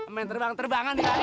main terbang terbangan di sana